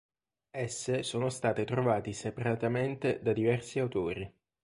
Esse sono state trovati separatamente da diversi autori.